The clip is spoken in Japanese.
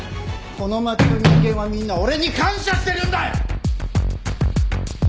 この街の人間はみんな俺に感謝してるんだ！